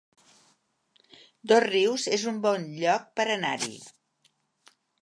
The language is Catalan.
Dosrius es un bon lloc per anar-hi